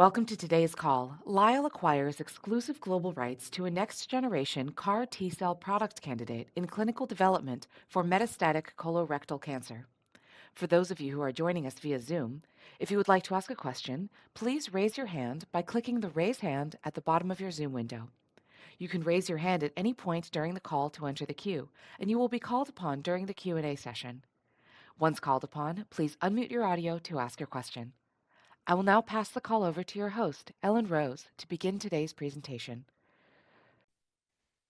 Welcome to today's call. Lyell acquires exclusive global rights to a next-generation CAR T-cell product candidate in clinical development for metastatic colorectal cancer. For those of you who are joining us via Zoom, if you would like to ask a question, please raise your hand by clicking the raise hand at the bottom of your Zoom window. You can raise your hand at any point during the call to enter the queue, and you will be called upon during the Q&A session. Once called upon, please unmute your audio to ask your question. I will now pass the call over to your host, Ellen Rose, to begin today's presentation.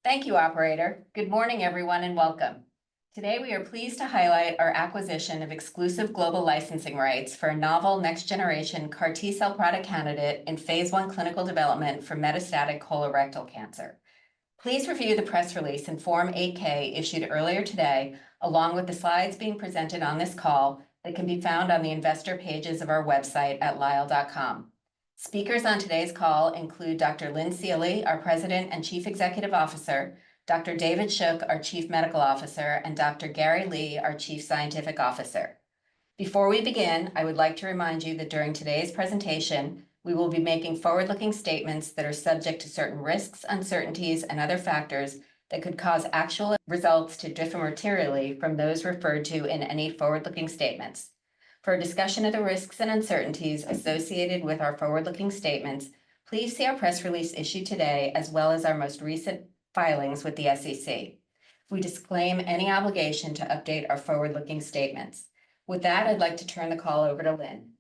Thank you, Operator. Good morning, everyone, and welcome. Today, we are pleased to highlight our acquisition of exclusive global licensing rights for a novel next-generation CAR T-cell product candidate in phase I clinical development for metastatic colorectal cancer. Please review the press release in Form 8-K issued earlier today, along with the slides being presented on this call that can be found on the Investor pages of our website at lyell.com. Speakers on today's call include Dr. Lynn Seely, our President and Chief Executive Officer, Dr. David Shook, our Chief Medical Officer, and Dr. Gary Lee, our Chief Scientific Officer. Before we begin, I would like to remind you that during today's presentation, we will be making forward-looking statements that are subject to certain risks, uncertainties, and other factors that could cause actual results to differ materially from those referred to in any forward-looking statements. For a discussion of the risks and uncertainties associated with our forward-looking statements, please see our press release issued today, as well as our most recent filings with the SEC. We disclaim any obligation to update our forward-looking statements. With that, I'd like to turn the call over to Lynn.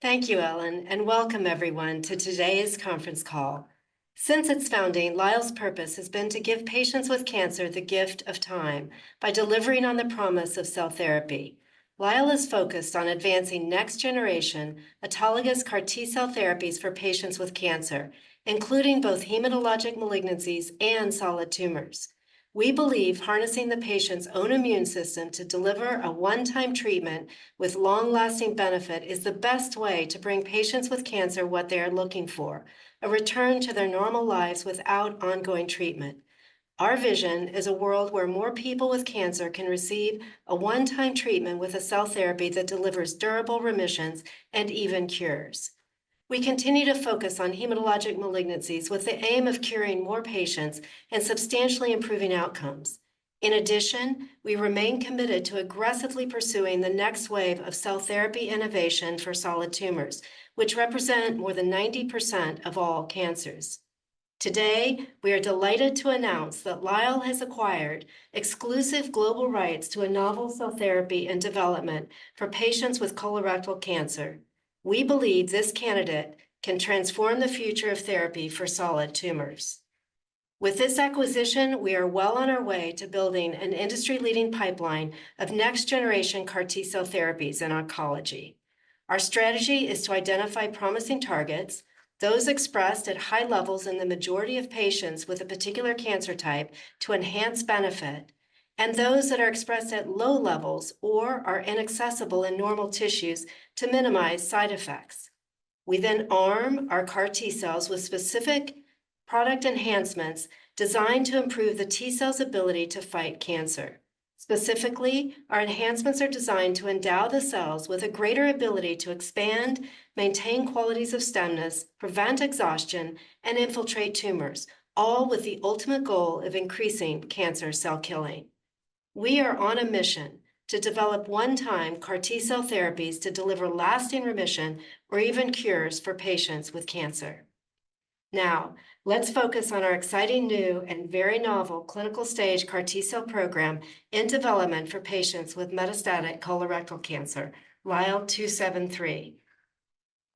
Thank you, Ellen, and welcome, everyone, to today's conference call. Since its founding, Lyell's purpose has been to give patients with cancer the gift of time by delivering on the promise of cell therapy. Lyell is focused on advancing next-generation autologous CAR T-cell therapies for patients with cancer, including both hematologic malignancies and solid tumors. We believe harnessing the patient's own immune system to deliver a one-time treatment with long-lasting benefit is the best way to bring patients with cancer what they are looking for: a return to their normal lives without ongoing treatment. Our vision is a world where more people with cancer can receive a one-time treatment with a cell therapy that delivers durable remissions and even cures. We continue to focus on hematologic malignancies with the aim of curing more patients and substantially improving outcomes. In addition, we remain committed to aggressively pursuing the next wave of cell therapy innovation for solid tumors, which represent more than 90% of all cancers. Today, we are delighted to announce that Lyell has acquired exclusive global rights to a novel cell therapy in development for patients with colorectal cancer. We believe this candidate can transform the future of therapy for solid tumors. With this acquisition, we are well on our way to building an industry-leading pipeline of next-generation CAR T-cell therapies in oncology. Our strategy is to identify promising targets, those expressed at high levels in the majority of patients with a particular cancer type, to enhance benefit, and those that are expressed at low levels or are inaccessible in normal tissues to minimize side effects. We then arm our CAR T-cells with specific product enhancements designed to improve the T-cell's ability to fight cancer. Specifically, our enhancements are designed to endow the cells with a greater ability to expand, maintain qualities of stemness, prevent exhaustion, and infiltrate tumors, all with the ultimate goal of increasing cancer cell killing. We are on a mission to develop one-time CAR T-cell therapies to deliver lasting remission or even cures for patients with cancer. Now, let's focus on our exciting new and very novel clinical stage CAR T-cell program in development for patients with metastatic colorectal cancer, LYL273.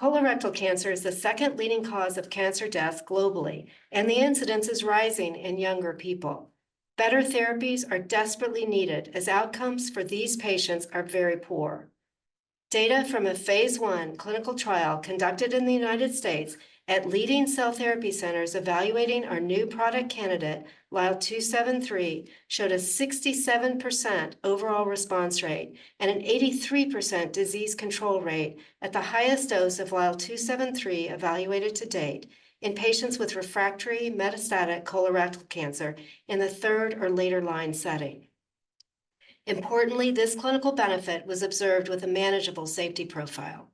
Colorectal cancer is the second leading cause of cancer death globally, and the incidence is rising in younger people. Better therapies are desperately needed as outcomes for these patients are very poor. Data from a phase I clinical trial conducted in the United States at leading cell therapy centers evaluating our new product candidate, LYL273, showed a 67% overall response rate and an 83% disease control rate at the highest dose of LYL273 evaluated to date in patients with refractory metastatic colorectal cancer in the third or later line setting. Importantly, this clinical benefit was observed with a manageable safety profile.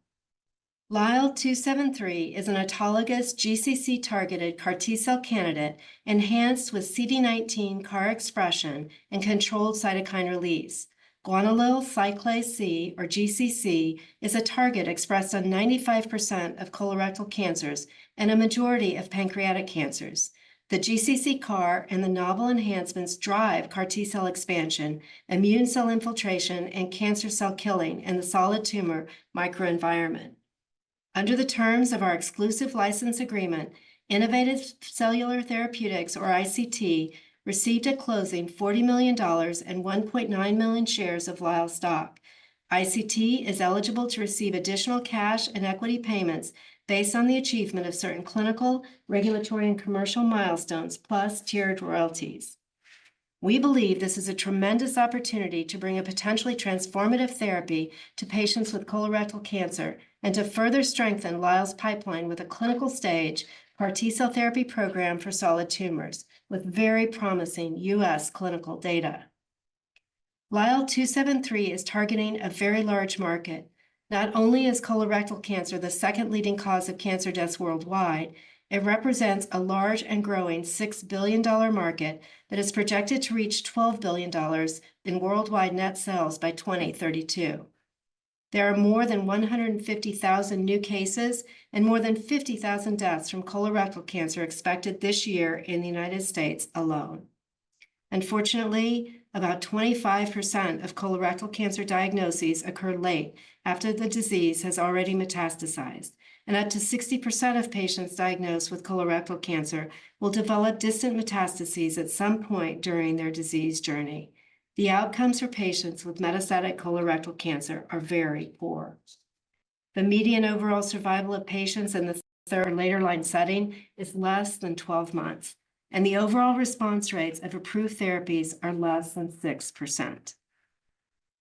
LYL273 is an autologous GCC-targeted CAR T-cell candidate enhanced with CD19 CAR expression and controlled cytokine release. Guanylyl cyclase, or GCC, is a target expressed on 95% of colorectal cancers and a majority of pancreatic cancers. The GCC CAR and the novel enhancements drive CAR T-cell expansion, immune cell infiltration, and cancer cell killing in the solid tumor microenvironment. Under the terms of our exclusive license agreement, Innovative Cellular Therapeutics, or ICT, received at closing $40 million and 1.9 million shares of Lyell stock. ICT is eligible to receive additional cash and equity payments based on the achievement of certain clinical, regulatory, and commercial milestones, plus tiered royalties. We believe this is a tremendous opportunity to bring a potentially transformative therapy to patients with colorectal cancer and to further strengthen Lyell's pipeline with a clinical stage CAR T-cell therapy program for solid tumors with very promising U.S. clinical data. LYL273 is targeting a very large market. Not only is colorectal cancer the second leading cause of cancer deaths worldwide, it represents a large and growing $6 billion market that is projected to reach $12 billion in worldwide net sales by 2032. There are more than 150,000 new cases and more than 50,000 deaths from colorectal cancer expected this year in the United States alone. Unfortunately, about 25% of colorectal cancer diagnoses occur late after the disease has already metastasized, and up to 60% of patients diagnosed with colorectal cancer will develop distant metastases at some point during their disease journey. The outcomes for patients with metastatic colorectal cancer are very poor. The median overall survival of patients in the third or later line setting is less than 12 months, and the overall response rates of approved therapies are less than 6%.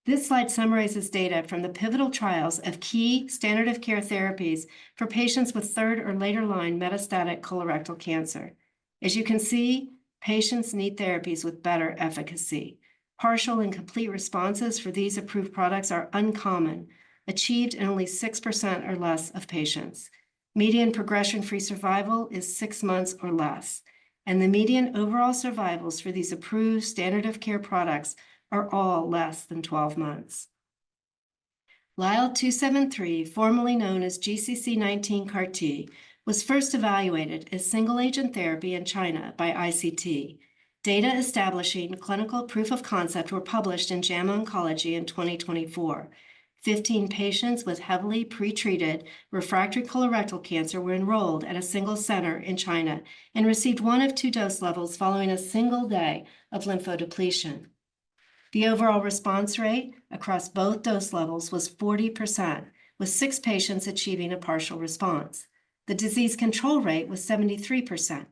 This slide summarizes data from the pivotal trials of key standard-of-care therapies for patients with third or later line metastatic colorectal cancer. As you can see, patients need therapies with better efficacy. Partial and complete responses for these approved products are uncommon, achieved in only 6% or less of patients. Median progression-free survival is six months or less, and the median overall survivals for these approved standard-of-care products are all less than 12 months. LYL273, formerly known as GCC19 CAR T, was first evaluated as single-agent therapy in China by ICT. Data establishing clinical proof of concept were published in JAMA Oncology in 2024. 15 patients with heavily pretreated refractory colorectal cancer were enrolled at a single center in China and received one of two dose levels following a single day of lymphodepletion. The overall response rate across both dose levels was 40%, with six patients achieving a partial response. The disease control rate was 73%,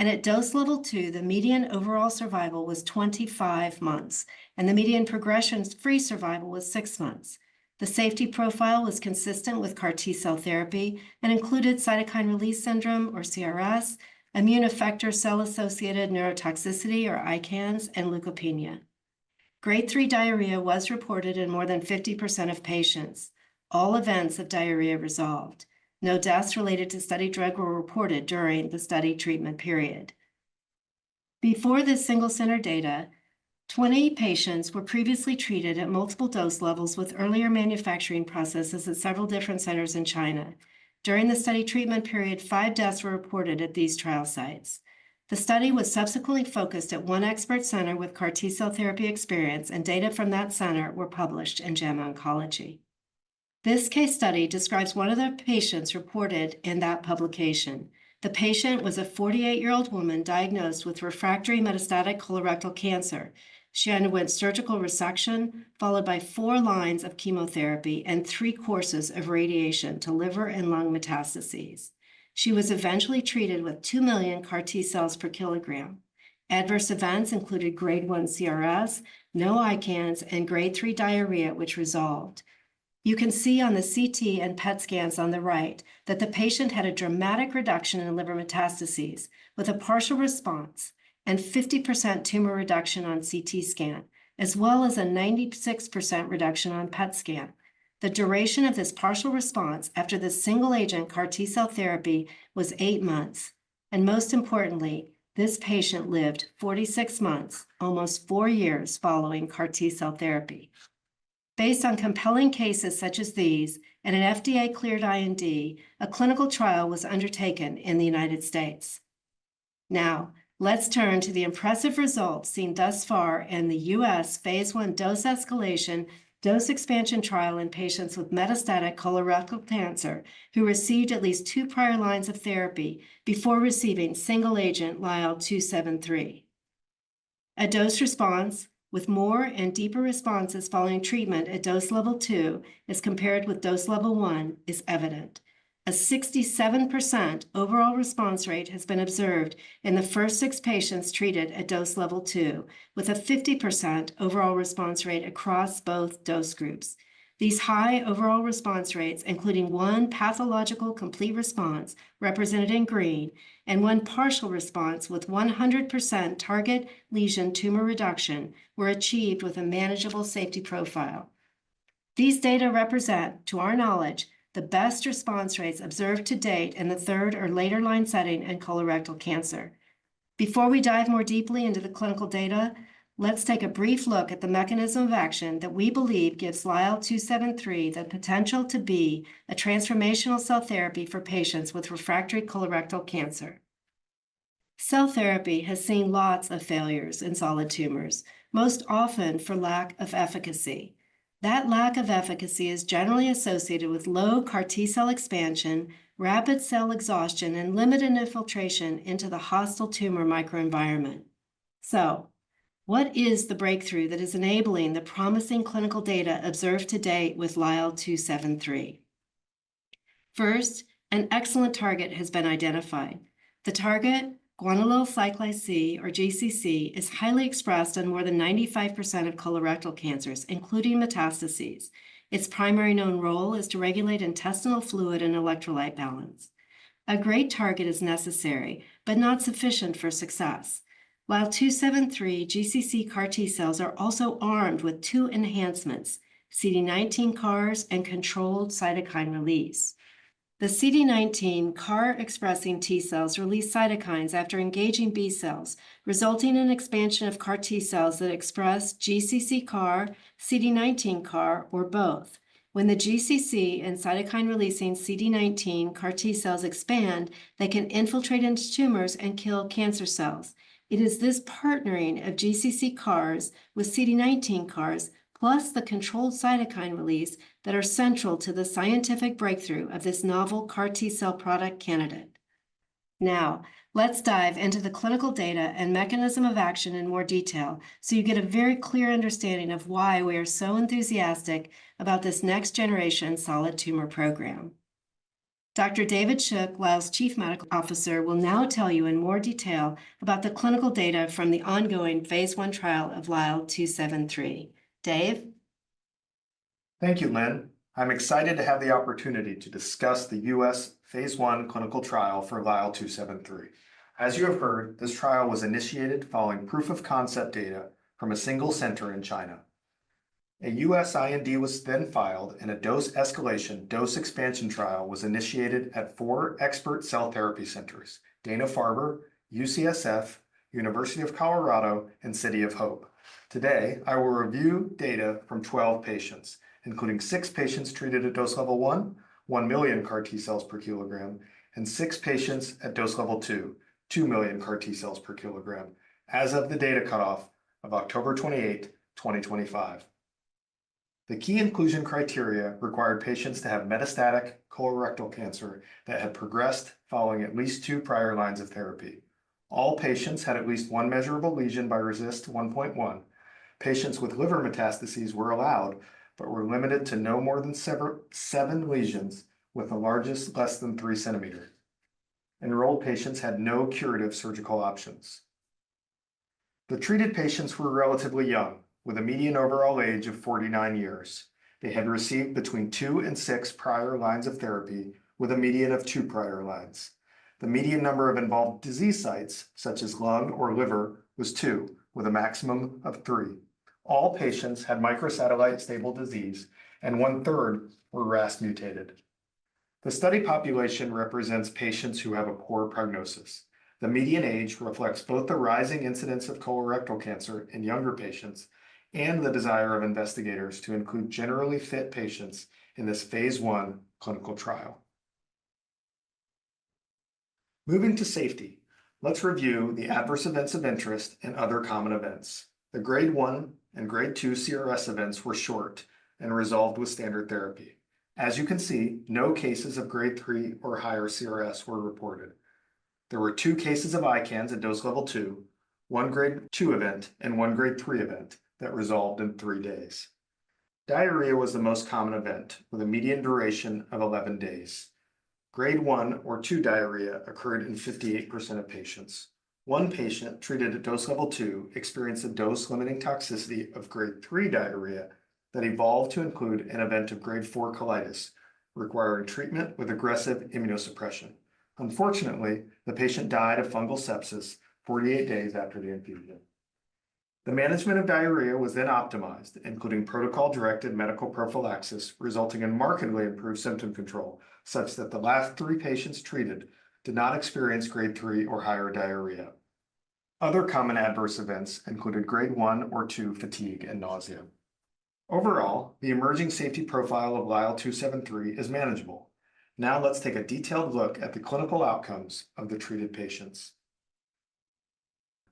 and at dose level two, the median overall survival was 25 months, and the median progression-free survival was six months. The safety profile was consistent with CAR T-cell therapy and included cytokine release syndrome, or CRS, immune effector cell-associated neurotoxicity, or ICANS, and leukopenia. Grade 3 diarrhea was reported in more than 50% of patients. All events of diarrhea resolved. No deaths related to study drug were reported during the study treatment period. Before this single-center data, 20 patients were previously treated at multiple dose levels with earlier manufacturing processes at several different centers in China. During the study treatment period, five deaths were reported at these trial sites. The study was subsequently focused at one expert center with CAR T-cell therapy experience, and data from that center were published in JAMA Oncology. This case study describes one of the patients reported in that publication. The patient was a 48-year-old woman diagnosed with refractory metastatic colorectal cancer. She underwent surgical resection followed by four lines of chemotherapy and three courses of radiation to liver and lung metastases. She was eventually treated with two million CAR T-cells per kilogram. Adverse events included grade 1 CRS, no ICANS, and grade 3 diarrhea, which resolved. You can see on the CT and PET scans on the right that the patient had a dramatic reduction in liver metastases with a partial response and 50% tumor reduction on CT scan, as well as a 96% reduction on PET scan. The duration of this partial response after the single-agent CAR T-cell therapy was eight months, and most importantly, this patient lived 46 months, almost four years following CAR T-cell therapy. Based on compelling cases such as these and an FDA-cleared IND, a clinical trial was undertaken in the United States. Now, let's turn to the impressive results seen thus far in the U.S. phase I dose-escalation dose-expansion trial in patients with metastatic colorectal cancer who received at least two prior lines of therapy before receiving single-agent LYL273. A dose response with more and deeper responses following treatment at dose level two as compared with dose level one is evident. A 67% overall response rate has been observed in the first six patients treated at dose level two, with a 50% overall response rate across both dose groups. These high overall response rates, including one pathological complete response represented in green and one partial response with 100% target lesion tumor reduction, were achieved with a manageable safety profile. These data represent, to our knowledge, the best response rates observed to date in the third or later line setting in colorectal cancer. Before we dive more deeply into the clinical data, let's take a brief look at the mechanism of action that we believe gives LYL273 the potential to be a transformational cell therapy for patients with refractory colorectal cancer. Cell therapy has seen lots of failures in solid tumors, most often for lack of efficacy. That lack of efficacy is generally associated with low CAR T-cell expansion, rapid cell exhaustion, and limited infiltration into the hostile tumor microenvironment. So, what is the breakthrough that is enabling the promising clinical data observed to date with LYL273? First, an excellent target has been identified. The target, guanylyl cyclase, or GCC, is highly expressed on more than 95% of colorectal cancers, including metastases. Its primary known role is to regulate intestinal fluid and electrolyte balance. A great target is necessary, but not sufficient for success. LYL273 GCC CAR T-cells are also armed with two enhancements, CD19 CARs and controlled cytokine release. The CD19 CAR expressing T-cells release cytokines after engaging B cells, resulting in expansion of CAR T-cells that express GCC CAR, CD19 CAR, or both. When the GCC and cytokine-releasing CD19 CAR T-cells expand, they can infiltrate into tumors and kill cancer cells. It is this partnering of GCC CARs with CD19 CARs, plus the controlled cytokine release, that are central to the scientific breakthrough of this novel CAR T-cell product candidate. Now, let's dive into the clinical data and mechanism of action in more detail so you get a very clear understanding of why we are so enthusiastic about this next-generation solid tumor program. Dr. David Shook, Lyell's Chief Medical Officer, will now tell you in more detail about the clinical data from the ongoing phase I trial of LYL273. Dave? Thank you, Lynn. I'm excited to have the opportunity to discuss the U.S. phase I clinical trial for LYL273. As you have heard, this trial was initiated following proof of concept data from a single center in China. A U.S. IND was then filed, and a dose-escalation dose-expansion trial was initiated at four expert cell therapy centers: Dana-Farber, UCSF, University of Colorado, and City of Hope. Today, I will review data from 12 patients, including six patients treated at dose level one, one million CAR T-cells per kilogram, and six patients at dose level two, two million CAR T-cells per kilogram, as of the data cutoff of October 28, 2025. The key inclusion criteria required patients to have metastatic colorectal cancer that had progressed following at least two prior lines of therapy. All patients had at least one measurable lesion by RECIST 1.1. Patients with liver metastases were allowed but were limited to no more than seven lesions, with the largest less than three centimeters. Enrolled patients had no curative surgical options. The treated patients were relatively young, with a median overall age of 49 years. They had received between two and six prior lines of therapy, with a median of two prior lines. The median number of involved disease sites, such as lung or liver, was two, with a maximum of three. All patients had microsatellite stable disease, and one-third were RAS-mutated. The study population represents patients who have a poor prognosis. The median age reflects both the rising incidence of colorectal cancer in younger patients and the desire of investigators to include generally fit patients in this phase I clinical trial. Moving to safety, let's review the adverse events of interest and other common events. The grade 1 and grade 2 CRS events were short and resolved with standard therapy. As you can see, no cases of grade 3 or higher CRS were reported. There were two cases of ICANS at dose level two, one grade 2 event, and one grade 3 event that resolved in three days. Diarrhea was the most common event, with a median duration of 11 days. Grade 1 or 2 diarrhea occurred in 58% of patients. One patient treated at dose level two experienced a dose-limiting toxicity of grade 3 diarrhea that evolved to include an event of grade 4 colitis requiring treatment with aggressive immunosuppression. Unfortunately, the patient died of fungal sepsis 48 days after the infusion. The management of diarrhea was then optimized, including protocol-directed medical prophylaxis, resulting in markedly improved symptom control such that the last three patients treated did not experience grade 3 or higher diarrhea. Other common adverse events included grade 1 or 2 fatigue and nausea. Overall, the emerging safety profile of LYL273 is manageable. Now, let's take a detailed look at the clinical outcomes of the treated patients.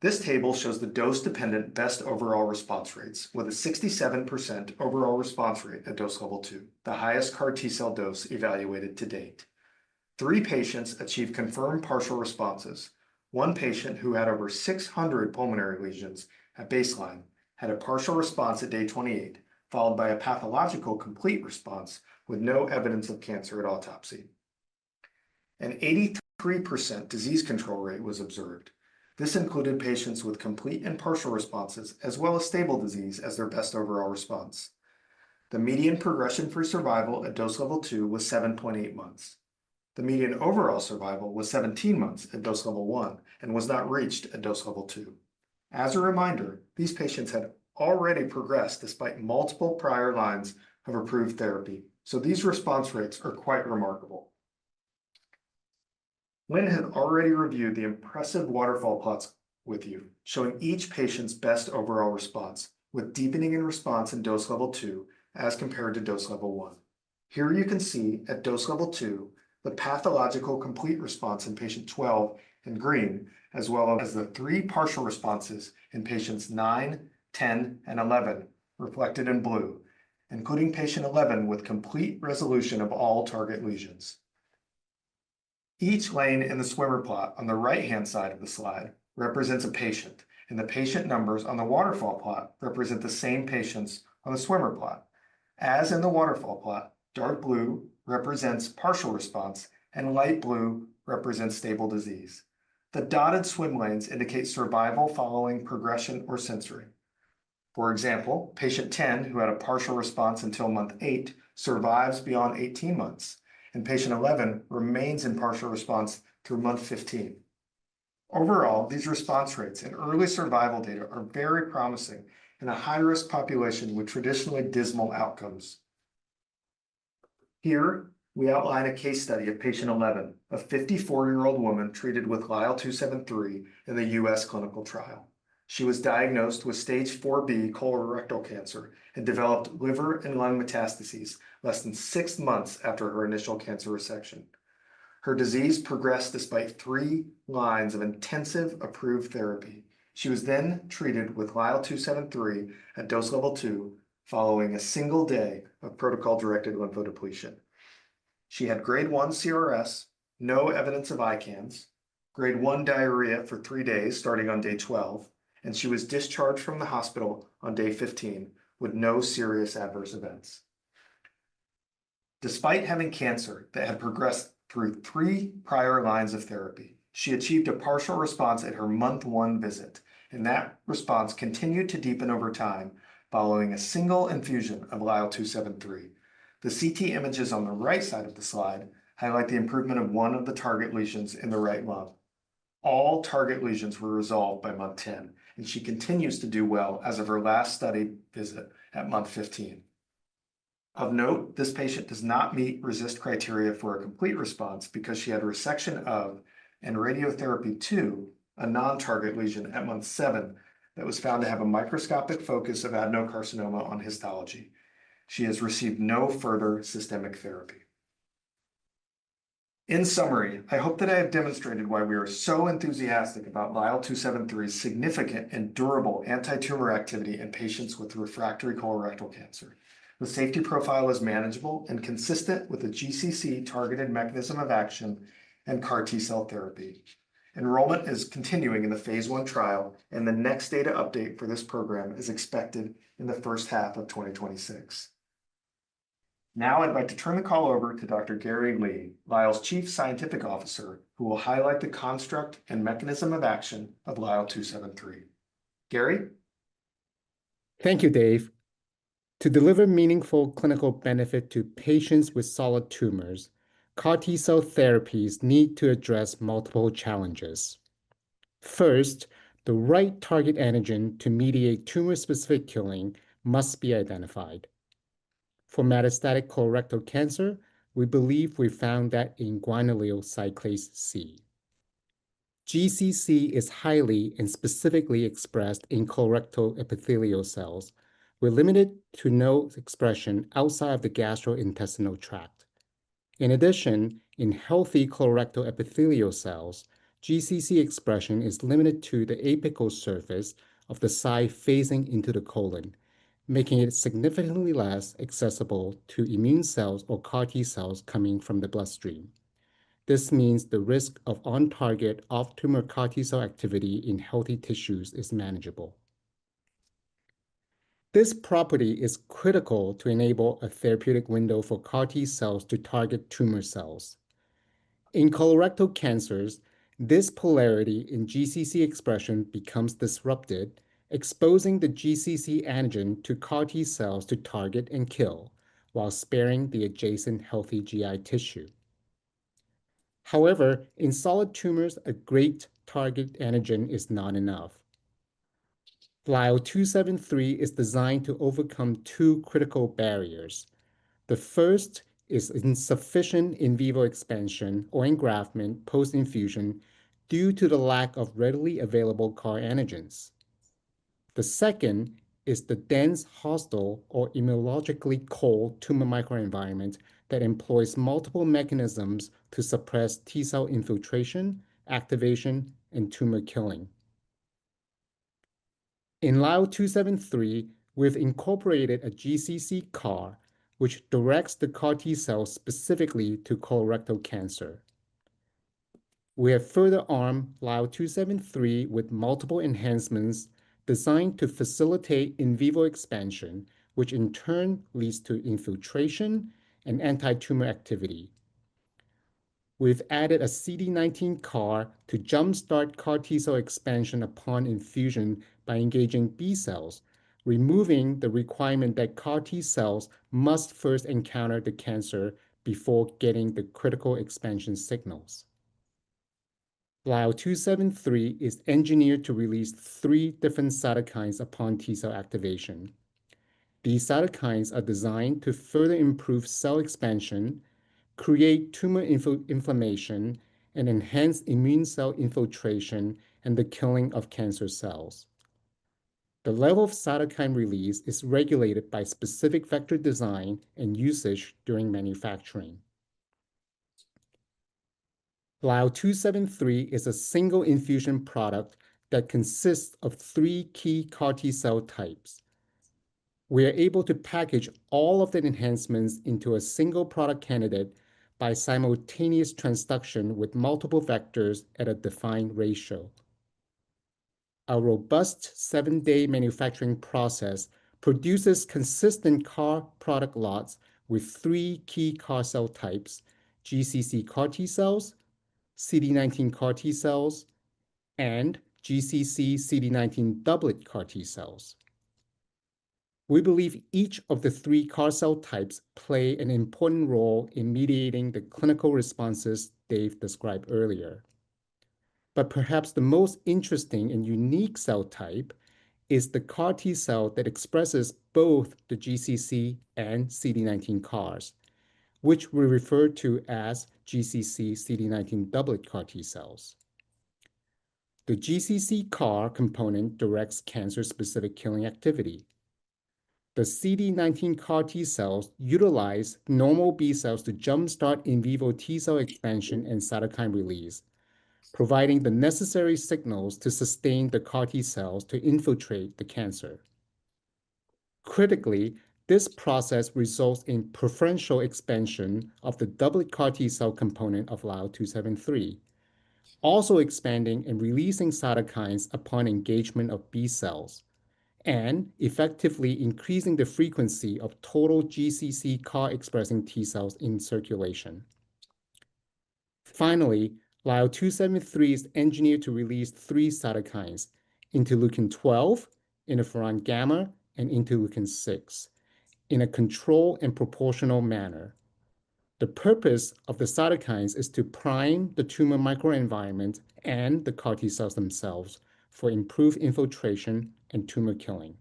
This table shows the dose-dependent best overall response rates, with a 67% overall response rate at dose level two, the highest CAR T-cell dose evaluated to date. Three patients achieved confirmed partial responses. One patient who had over 600 pulmonary lesions at baseline had a partial response at day 28, followed by a pathological complete response with no evidence of cancer at autopsy. An 83% disease control rate was observed. This included patients with complete and partial responses as well as stable disease as their best overall response. The median progression-free survival at dose level two was 7.8 months. The median overall survival was 17 months at dose level one and was not reached at dose level two. As a reminder, these patients had already progressed despite multiple prior lines of approved therapy, so these response rates are quite remarkable. Lynn has already reviewed the impressive waterfall plots with you, showing each patient's best overall response with deepening in response in dose level two as compared to dose level one. Here you can see at dose level two the pathological complete response in patient 12 in green, as well as the three partial responses in patients nine, 10, and 11 reflected in blue, including patient 11 with complete resolution of all target lesions. Each lane in the swimmer plot on the right-hand side of the slide represents a patient, and the patient numbers on the waterfall plot represent the same patients on the swimmer plot. As in the waterfall plot, dark blue represents partial response, and light blue represents stable disease. The dotted swim lanes indicate survival following progression or censoring. For example, patient 10, who had a partial response until month eight, survives beyond 18 months, and patient 11 remains in partial response through month 15. Overall, these response rates and early survival data are very promising in a high-risk population with traditionally dismal outcomes. Here, we outline a case study of patient 11, a 54-year-old woman treated with LYL273 in the U.S. clinical trial. She was diagnosed with stage 4B colorectal cancer and developed liver and lung metastases less than six months after her initial cancer resection. Her disease progressed despite three lines of intensive approved therapy. She was then treated with LYL273 at dose level two following a single day of protocol-directed lymphodepletion. She had grade 1 CRS, no evidence of ICANS, grade 1 diarrhea for three days starting on day 12, and she was discharged from the hospital on day 15 with no serious adverse events. Despite having cancer that had progressed through three prior lines of therapy, she achieved a partial response at her month one visit, and that response continued to deepen over time following a single infusion of LYL273. The CT images on the right side of the slide highlight the improvement of one of the target lesions in the right lung. All target lesions were resolved by month 10, and she continues to do well as of her last study visit at month 15. Of note, this patient does not meet RECIST criteria for a complete response because she had resection of an irradiated non-target lesion at month seven that was found to have a microscopic focus of adenocarcinoma on histology. She has received no further systemic therapy. In summary, I hope that I have demonstrated why we are so enthusiastic about LYL273's significant and durable antitumor activity in patients with refractory colorectal cancer. The safety profile is manageable and consistent with the GCC-targeted mechanism of action and CAR T-cell therapy. Enrollment is continuing in the phase I trial, and the next data update for this program is expected in the first half of 2026. Now, I'd like to turn the call over to Dr. Gary Lee, Lyell's Chief Scientific Officer, who will highlight the construct and mechanism of action of LYL273. Gary. Thank you, Dave. To deliver meaningful clinical benefit to patients with solid tumors, CAR T-cell therapies need to address multiple challenges. First, the right target antigen to mediate tumor-specific killing must be identified. For metastatic colorectal cancer, we believe we found that in guanylyl cyclase C. GCC is highly and specifically expressed in colorectal epithelial cells, with limited to no expression outside of the gastrointestinal tract. In addition, in healthy colorectal epithelial cells, GCC expression is limited to the apical surface of the side facing into the colon, making it significantly less accessible to immune cells or CAR T-cells coming from the bloodstream. This means the risk of on-target, off-tumor CAR T-cell activity in healthy tissues is manageable. This property is critical to enable a therapeutic window for CAR T-cells to target tumor cells. In colorectal cancers, this polarity in GCC expression becomes disrupted, exposing the GCC antigen to CAR T-cells to target and kill while sparing the adjacent healthy GI tissue. However, in solid tumors, a great target antigen is not enough. LYL273 is designed to overcome two critical barriers. The first is insufficient in vivo expansion or engraftment post-infusion due to the lack of readily available CAR antigens. The second is the dense hostile or immunologically cold tumor microenvironment that employs multiple mechanisms to suppress T-cell infiltration, activation, and tumor killing. In LYL273, we've incorporated a GCC CAR, which directs the CAR T-cells specifically to colorectal cancer. We have further armed LYL273 with multiple enhancements designed to facilitate in vivo expansion, which in turn leads to infiltration and antitumor activity. We've added a CD19 CAR to jump-start CAR T-cell expansion upon infusion by engaging B cells, removing the requirement that CAR T-cells must first encounter the cancer before getting the critical expansion signals. LYL273 is engineered to release three different cytokines upon T-cell activation. These cytokines are designed to further improve cell expansion, create tumor inflammation, and enhance immune cell infiltration and the killing of cancer cells. The level of cytokine release is regulated by specific vector design and usage during manufacturing. LYL273 is a single-infusion product that consists of three key CAR T-cell types. We are able to package all of the enhancements into a single product candidate by simultaneous transduction with multiple vectors at a defined ratio. A robust seven-day manufacturing process produces consistent CAR product lots with three key CAR cell types: GCC CAR T-cells, CD19 CAR T-cells, and GCC CD19 doublet CAR T-cells. We believe each of the three CAR cell types plays an important role in mediating the clinical responses Dave described earlier, but perhaps the most interesting and unique cell type is the CAR T-cell that expresses both the GCC and CD19 CARs, which we refer to as GCC CD19 doublet CAR T-cells. The GCC CAR component directs cancer-specific killing activity. The CD19 CAR T-cells utilize normal B cells to jump-start in vivo T-cell expansion and cytokine release, providing the necessary signals to sustain the CAR T-cells to infiltrate the cancer. Critically, this process results in preferential expansion of the doublet CAR T-cell component of LYL273, also expanding and releasing cytokines upon engagement of B cells, and effectively increasing the frequency of total GCC CAR-expressing T-cells in circulation. Finally, LYL273 is engineered to release three cytokines: interleukin-12, interferon gamma, and interleukin-6 in a controlled and proportional manner. The purpose of the cytokines is to prime the tumor microenvironment and the CAR T-cells themselves for improved infiltration and tumor killing.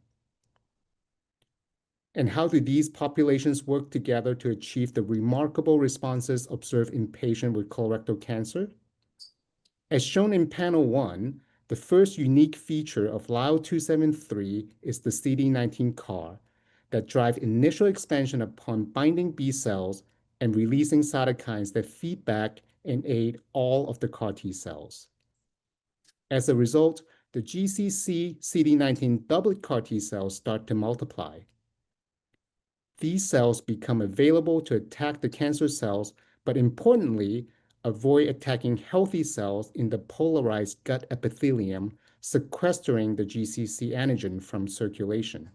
And how do these populations work together to achieve the remarkable responses observed in patients with colorectal cancer? As shown in panel one, the first unique feature of LYL273 is the CD19 CAR that drives initial expansion upon binding B cells and releasing cytokines that feed back and aid all of the CAR T-cells. As a result, the GCC CD19 doublet CAR T-cells start to multiply. These cells become available to attack the cancer cells, but importantly, avoid attacking healthy cells in the polarized gut epithelium, sequestering the GCC antigen from circulation.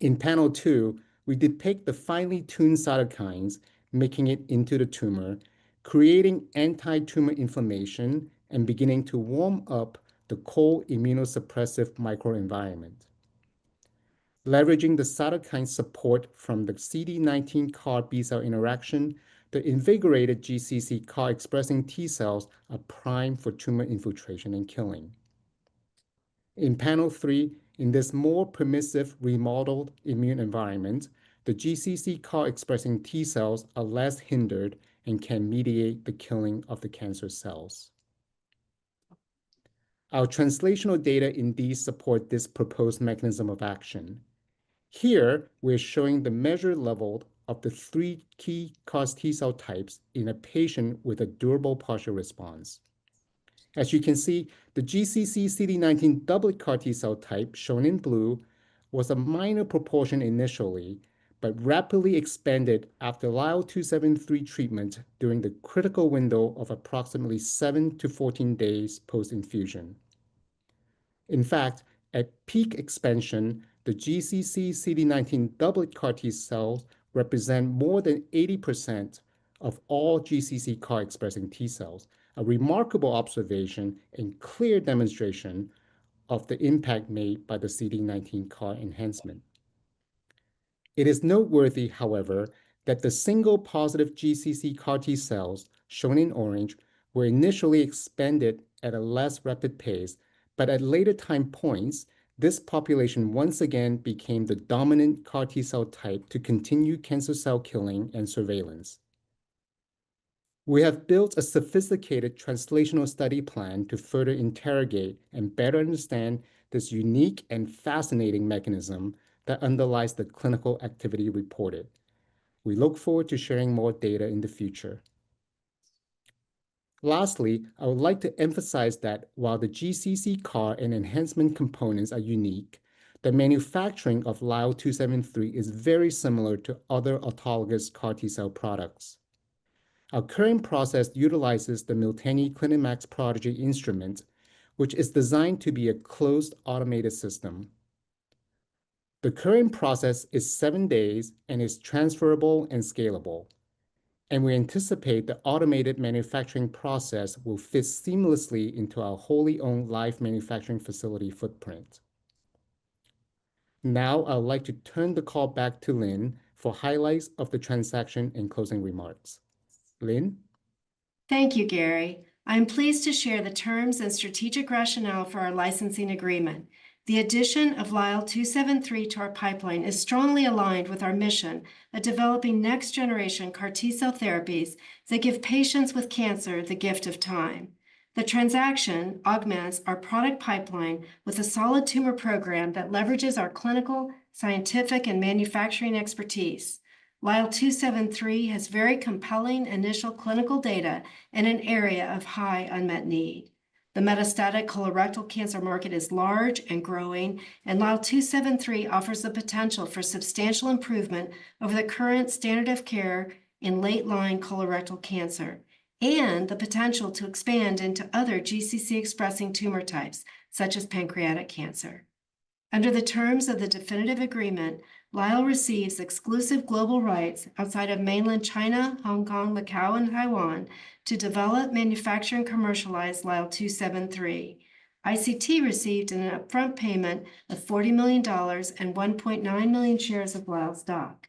In panel two, we depict the finely tuned cytokines making it into the tumor, creating antitumor inflammation, and beginning to warm up the cold immunosuppressive microenvironment. Leveraging the cytokine support from the CD19 CAR B cell interaction, the invigorated GCC CAR-expressing T-cells are primed for tumor infiltration and killing. In panel three, in this more permissive remodeled immune environment, the GCC CAR-expressing T-cells are less hindered and can mediate the killing of the cancer cells. Our translational data indeed supports this proposed mechanism of action. Here, we're showing the measured level of the three key CAR T-cell types in a patient with a durable partial response. As you can see, the GCC CD19 doublet CAR T-cell type, shown in blue, was a minor proportion initially but rapidly expanded after LYL273 treatment during the critical window of approximately 7-14 days post-infusion. In fact, at peak expansion, the GCC CD19 doublet CAR T-cells represent more than 80% of all GCC CAR-expressing T-cells, a remarkable observation and clear demonstration of the impact made by the CD19 CAR enhancement. It is noteworthy, however, that the single positive GCC CAR T-cells, shown in orange, were initially expanded at a less rapid pace, but at later time points, this population once again became the dominant CAR T-cell type to continue cancer cell killing and surveillance. We have built a sophisticated translational study plan to further interrogate and better understand this unique and fascinating mechanism that underlies the clinical activity reported. We look forward to sharing more data in the future. Lastly, I would like to emphasize that while the GCC CAR and enhancement components are unique, the manufacturing of LYL273 is very similar to other autologous CAR T-cell products. Our current process utilizes the Miltenyi CliniMACS Prodigy instrument, which is designed to be a closed automated system. The current process is seven days and is transferable and scalable, and we anticipate the automated manufacturing process will fit seamlessly into our wholly owned Lyell manufacturing facility footprint. Now, I would like to turn the call back to Lynn for highlights of the transaction and closing remarks. Lynn. Thank you, Gary. I'm pleased to share the terms and strategic rationale for our licensing agreement. The addition of LYL273 to our pipeline is strongly aligned with our mission of developing next-generation CAR T-cell therapies that give patients with cancer the gift of time. The transaction augments our product pipeline with a solid tumor program that leverages our clinical, scientific, and manufacturing expertise. LYL273 has very compelling initial clinical data in an area of high unmet need. The metastatic colorectal cancer market is large and growing, and LYL273 offers the potential for substantial improvement over the current standard of care in late-line colorectal cancer and the potential to expand into other GCC-expressing tumor types, such as pancreatic cancer. Under the terms of the definitive agreement, Lyell receives exclusive global rights outside of mainland China, Hong Kong, Macau, and Taiwan to develop, manufacture, and commercialize LYL273. ICT received an upfront payment of $40 million and 1.9 million shares of Lyell's stock.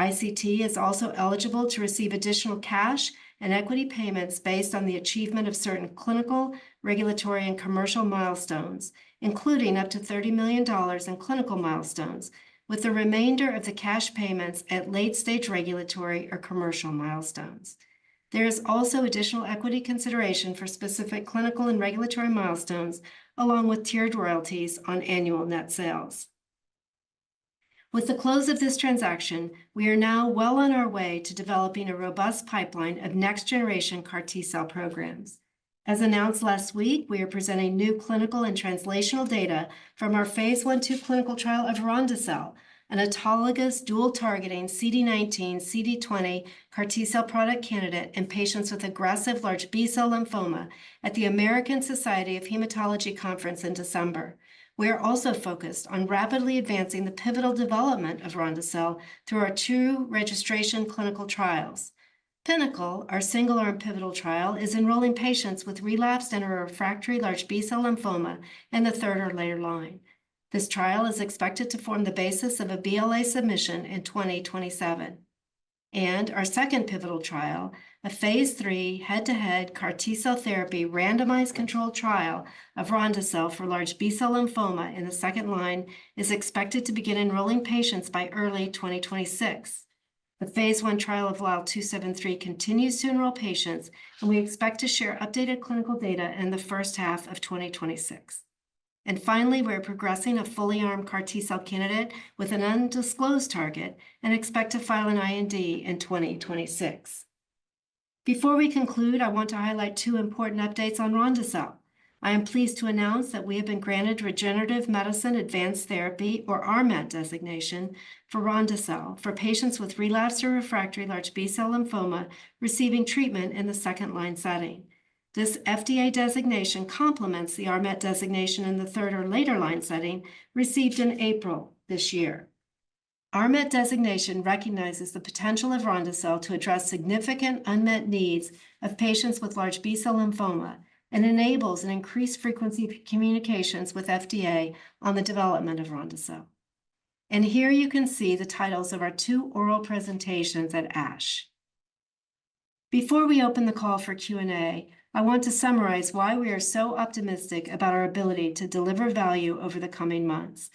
ICT is also eligible to receive additional cash and equity payments based on the achievement of certain clinical, regulatory, and commercial milestones, including up to $30 million in clinical milestones, with the remainder of the cash payments at late-stage regulatory or commercial milestones. There is also additional equity consideration for specific clinical and regulatory milestones, along with tiered royalties on annual net sales. With the close of this transaction, we are now well on our way to developing a robust pipeline of next-generation CAR T-cell programs. As announced last week, we are presenting new clinical and translational data from our phase I clinical trial of RhondaCell, an autologous dual-targeting CD19, CD20 CAR T-cell product candidate in patients with aggressive large B-cell lymphoma at the American Society of Hematology Conference in December. We are also focused on rapidly advancing the pivotal development of RhondaCell through our two registration clinical trials. Pinnacle, our single-arm pivotal trial, is enrolling patients with relapsed and/or refractory large B-cell lymphoma in the third or later line. This trial is expected to form the basis of a BLA submission in 2027. And our second pivotal trial, a phase III head-to-head CAR T-cell therapy randomized control trial of RhondaCell for large B-cell lymphoma in the second line, is expected to begin enrolling patients by early 2026. The phase I trial of LYL273 continues to enroll patients, and we expect to share updated clinical data in the first half of 2026. And finally, we're progressing a fully armed CAR T-cell candidate with an undisclosed target and expect to file an IND in 2026. Before we conclude, I want to highlight two important updates on RhondaCell. I am pleased to announce that we have been granted Regenerative Medicine Advanced Therapy, or RMAT, designation for RhondaCell for patients with relapsed or refractory large B-cell lymphoma receiving treatment in the second-line setting. This FDA designation complements the RMAT designation in the third or later line setting received in April this year. RMAT designation recognizes the potential of RhondaCell to address significant unmet needs of patients with large B-cell lymphoma and enables an increased frequency of communications with FDA on the development of RhondaCell. And here you can see the titles of our two oral presentations at ASH. Before we open the call for Q&A, I want to summarize why we are so optimistic about our ability to deliver value over the coming months.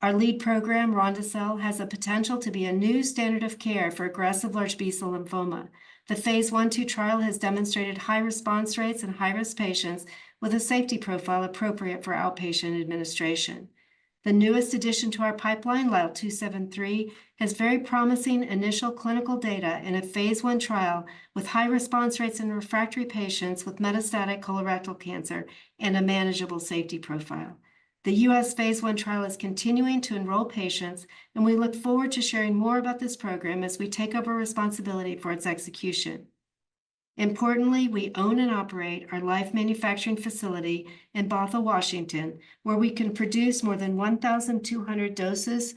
Our lead program, RhondaCell, has the potential to be a new standard of care for aggressive large B-cell lymphoma. The phase I trial has demonstrated high response rates in high-risk patients with a safety profile appropriate for outpatient administration. The newest addition to our pipeline, LYL273, has very promising initial clinical data in a phase I trial with high response rates in refractory patients with metastatic colorectal cancer and a manageable safety profile. The U.S. phase I trial is continuing to enroll patients, and we look forward to sharing more about this program as we take over responsibility for its execution. Importantly, we own and operate our Lyell manufacturing facility in Bothell, Washington, where we can produce more than 1,200 doses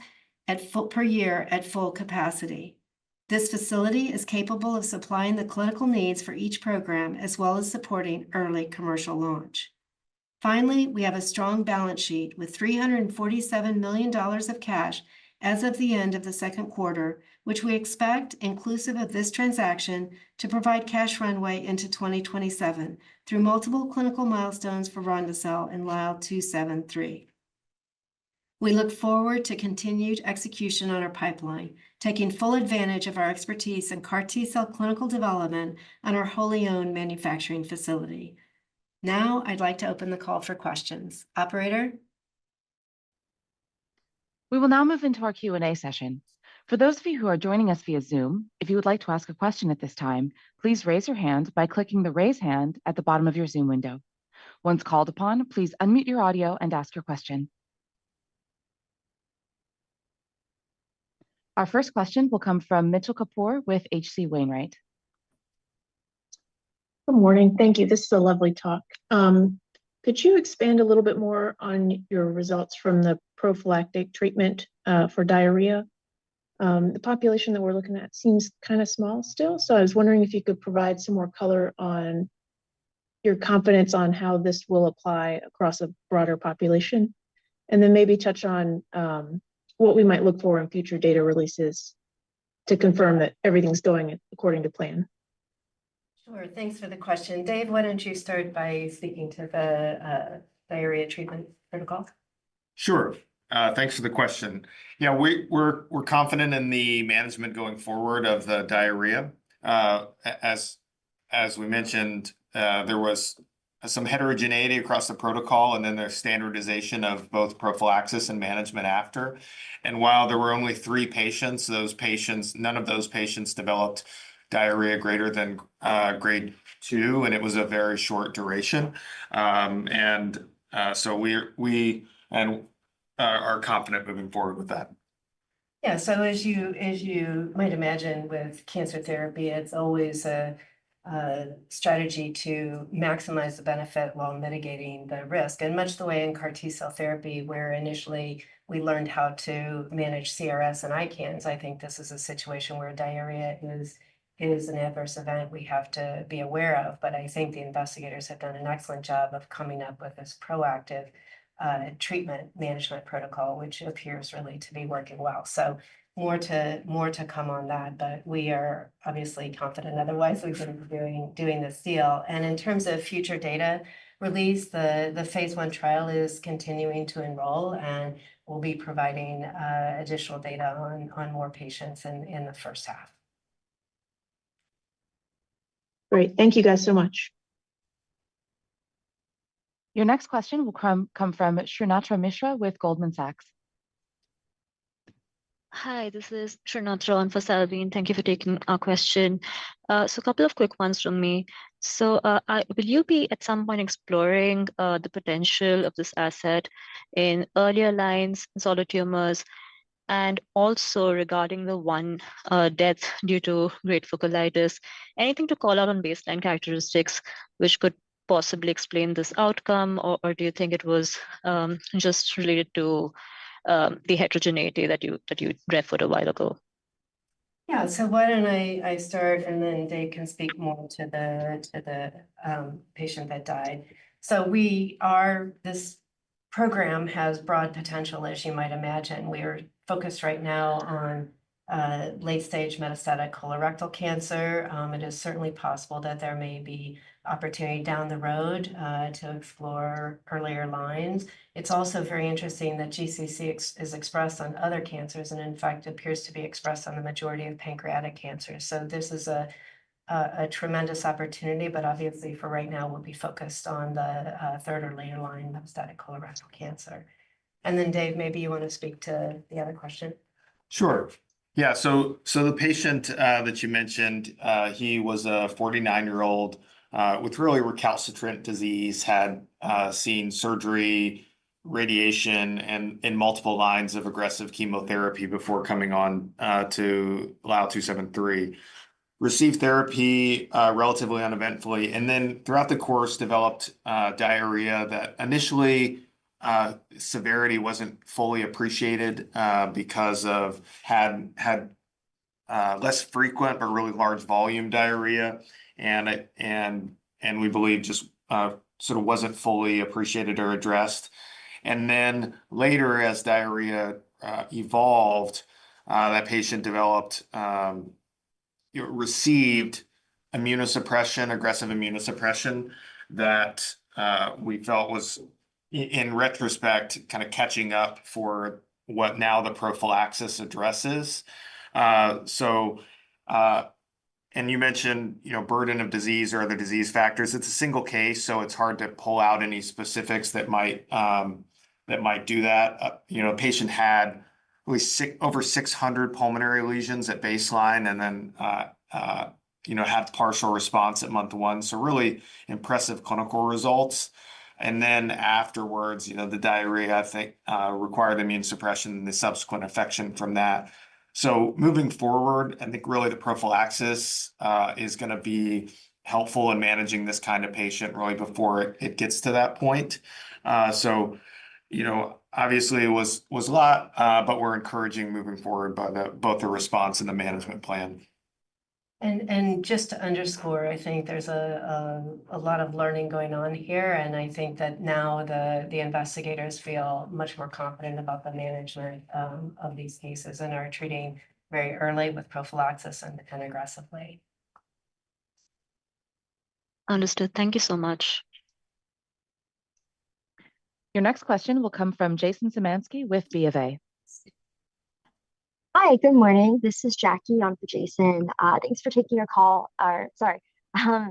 per year at full capacity. This facility is capable of supplying the clinical needs for each program, as well as supporting early commercial launch. Finally, we have a strong balance sheet with $347 million of cash as of the end of the second quarter, which we expect, inclusive of this transaction, to provide cash runway into 2027 through multiple clinical milestones for RhondaCell and LYL273. We look forward to continued execution on our pipeline, taking full advantage of our expertise in CAR T-cell clinical development and our wholly owned manufacturing facility. Now, I'd like to open the call for questions. Operator. We will now move into our Q&A session. For those of you who are joining us via Zoom, if you would like to ask a question at this time, please raise your hand by clicking the raise hand at the bottom of your Zoom window. Once called upon, please unmute your audio and ask your question. Our first question will come from Mitchell Kapoor with H.C. Wainwright. Good morning. Thank you. This is a lovely talk. Could you expand a little bit more on your results from the prophylactic treatment for diarrhea? The population that we're looking at seems kind of small still, so I was wondering if you could provide some more color on your confidence on how this will apply across a broader population, and then maybe touch on what we might look for in future data releases to confirm that everything's going according to plan. Sure. Thanks for the question. Dave, why don't you start by speaking to the diarrhea treatment protocol? Sure. Thanks for the question. Yeah, we're confident in the management going forward of the diarrhea. As we mentioned, there was some heterogeneity across the protocol, and then there's standardization of both prophylaxis and management after. And while there were only three patients, none of those patients developed diarrhea greater than grade two, and it was a very short duration. And so we are confident moving forward with that. Yeah. So as you might imagine, with cancer therapy, it's always a strategy to maximize the benefit while mitigating the risk. And much the way in CAR T-cell therapy, where initially we learned how to manage CRS and ICANS, I think this is a situation where diarrhea is an adverse event we have to be aware of. But I think the investigators have done an excellent job of coming up with this proactive treatment management protocol, which appears really to be working well. So more to come on that, but we are obviously confident otherwise we've been doing the sale. And in terms of future data release, the phase I trial is continuing to enroll, and we'll be providing additional data on more patients in the first half. Great. Thank you guys so much. Your next question will come from Shunatra Mishra with Goldman Sachs. Hi, this is Shunatra from Goldman Sachs. Thank you for taking our question. So a couple of quick ones from me. So will you be at some point exploring the potential of this asset in earlier lines, solid tumors, and also regarding the one death due to grade colitis? Anything to call out on baseline characteristics which could possibly explain this outcome, or do you think it was just related to the heterogeneity that you referred to a while ago? Yeah. So why don't I start, and then Dave can speak more to the patient that died. So this program has broad potential, as you might imagine. We are focused right now on late-stage metastatic colorectal cancer. It is certainly possible that there may be opportunity down the road to explore earlier lines. It's also very interesting that GCC is expressed on other cancers, and in fact, it appears to be expressed on the majority of pancreatic cancers. So this is a tremendous opportunity, but obviously, for right now, we'll be focused on the third- or later-line metastatic colorectal cancer. And then, Dave, maybe you want to speak to the other question? Sure. Yeah. The patient that you mentioned, he was a 49-year-old with really refractory disease, had seen surgery, radiation, and multiple lines of aggressive chemotherapy before coming on to LYL273, received therapy relatively uneventfully, and then throughout the course developed diarrhea that initially severity wasn't fully appreciated because of had less frequent but really large volume diarrhea, and we believe just sort of wasn't fully appreciated or addressed. And then later, as diarrhea evolved, that patient received immunosuppression, aggressive immunosuppression that we felt was, in retrospect, kind of catching up for what now the prophylaxis addresses. And you mentioned burden of disease or other disease factors. It's a single case, so it's hard to pull out any specifics that might do that. A patient had over 600 pulmonary lesions at baseline and then had partial response at month one. So really impressive clinical results. Then afterwards, the diarrhea, I think, required immunosuppression and the subsequent infection from that. So moving forward, I think really the prophylaxis is going to be helpful in managing this kind of patient really before it gets to that point. Obviously, it was a lot, but we're encouraged moving forward by both the response and the management plan. Just to underscore, I think there's a lot of learning going on here, and I think that now the investigators feel much more confident about the management of these cases and are treating very early with prophylaxis and aggressively. Understood. Thank you so much. Your next question will come from Jason Zemansky with BofA. Hi. Good morning. This is Jackie on for Jason. Thanks for taking your call. Sorry. Yeah.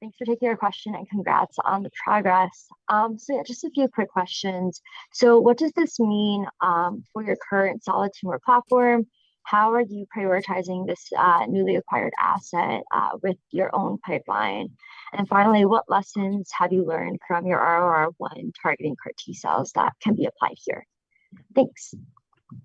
Thanks for taking your question and congrats on the progress. So yeah, just a few quick questions. So what does this mean for your current solid tumor platform? How are you prioritizing this newly acquired asset with your own pipeline? And finally, what lessons have you learned from your ROR1 targeting CAR T-cells that can be applied here? Thanks.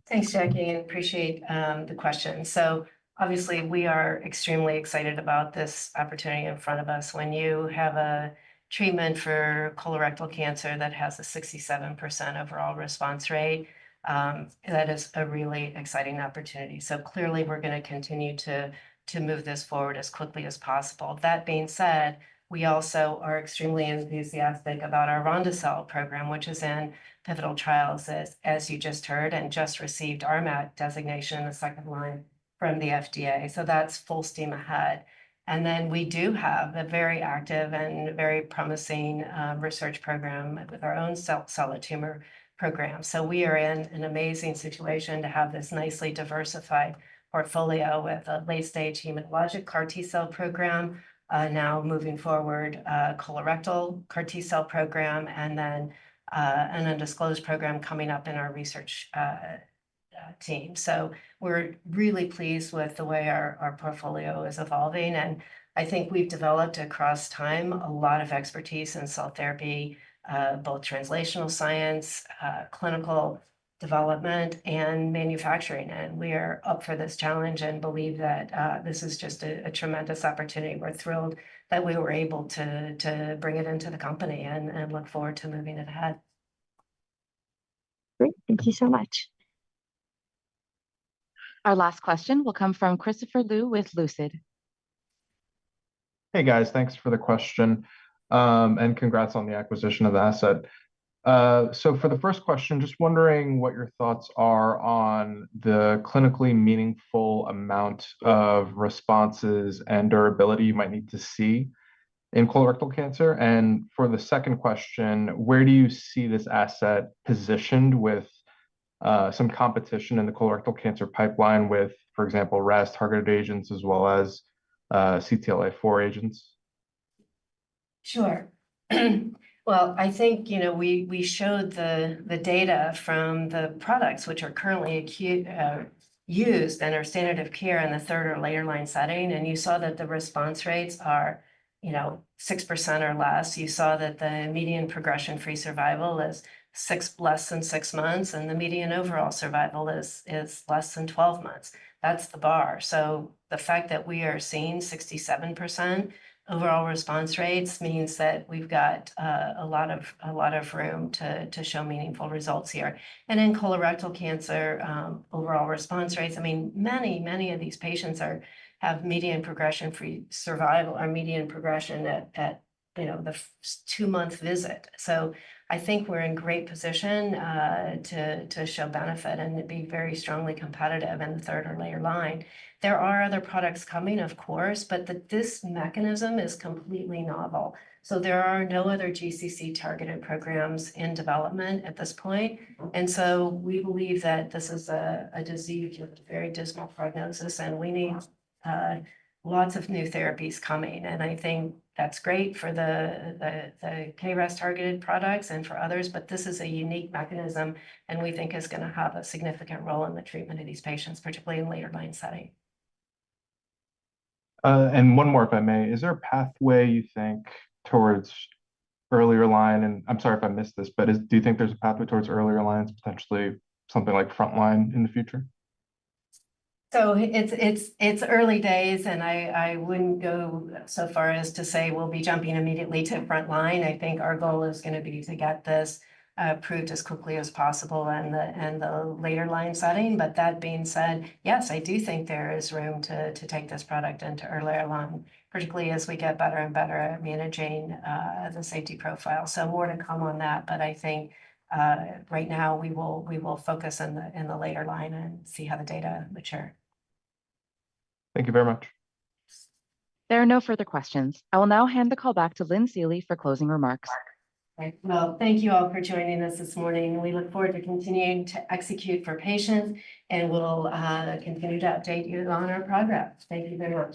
Thanks, Jackie. I appreciate the question. So obviously, we are extremely excited about this opportunity in front of us. When you have a treatment for colorectal cancer that has a 67% overall response rate, that is a really exciting opportunity. So clearly, we're going to continue to move this forward as quickly as possible. That being said, we also are extremely enthusiastic about our RhondaCell program, which is in pivotal trials, as you just heard, and just received RMAT designation in the second line from the FDA. So that's full steam ahead. And then we do have a very active and very promising research program with our own solid tumor program. So we are in an amazing situation to have this nicely diversified portfolio with a late-stage hematologic CAR T-cell program, now moving forward, colorectal CAR T-cell program, and then an undisclosed program coming up in our research team. So we're really pleased with the way our portfolio is evolving. And I think we've developed across time a lot of expertise in cell therapy, both translational science, clinical development, and manufacturing. And we are up for this challenge and believe that this is just a tremendous opportunity. We're thrilled that we were able to bring it into the company and look forward to moving it ahead. Great. Thank you so much. Our last question will come from Christopher Liu with Lucid. Hey, guys. Thanks for the question. Congrats on the acquisition of the asset. For the first question, just wondering what your thoughts are on the clinically meaningful amount of responses and durability you might need to see in colorectal cancer. For the second question, where do you see this asset positioned with some competition in the colorectal cancer pipeline with, for example, RAS-targeted agents as well as CTLA-4 agents? Sure. I think we showed the data from the products which are currently used in our standard of care in the third or later line setting. You saw that the response rates are 6% or less. You saw that the median progression-free survival is less than six months, and the median overall survival is less than 12 months. That's the bar. The fact that we are seeing 67% overall response rates means that we've got a lot of room to show meaningful results here. In colorectal cancer, overall response rates, I mean, many, many of these patients have median progression-free survival or median progression at the two-month visit. I think we're in great position to show benefit and to be very strongly competitive in the third or later line. There are other products coming, of course, but this mechanism is completely novel. There are no other GCC targeted programs in development at this point. We believe that this is a disease with a very dismal prognosis, and we need lots of new therapies coming. I think that's great for the KRAS targeted products and for others, but this is a unique mechanism, and we think it's going to have a significant role in the treatment of these patients, particularly in later line setting. One more, if I may. Is there a pathway you think towards earlier line? And I'm sorry if I missed this, but do you think there's a pathway towards earlier lines, potentially something like front line in the future? It's early days, and I wouldn't go so far as to say we'll be jumping immediately to front line. Our goal is going to be to get this approved as quickly as possible in the later line setting. But that being said, yes, I do think there is room to take this product into earlier line, particularly as we get better and better at managing the safety profile. So more to come on that, but I think right now we will focus in the later line and see how the data mature. Thank you very much. There are no further questions. I will now hand the call back to Lynn Seely for closing remarks. Well, thank you all for joining us this morning. We look forward to continuing to execute for patients, and we'll continue to update you on our progress. Thank you very much.